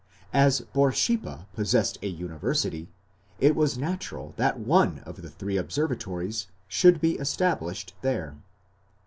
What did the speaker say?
As Borsippa possessed a university, it was natural that one of the three observatories should be established there."